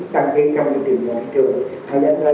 đăng ký nhà hàng hành vi cơ sở thương tổ chức của tp hcm